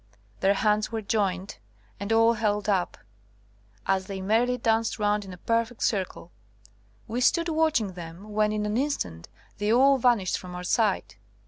Their hands were joined, and all held up, as they merrily danced round in a perfect circle. We stood watching them, when in an instant they all vanished from our sight.